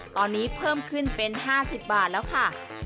ตอนนี้เพิ่มขึ้นเป็น๕๐บาทแล้วค่ะ